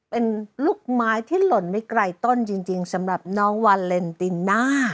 เป็นลูกไม้ที่หล่นไม่ไกลต้นจริงสำหรับน้องวาเลนติน่า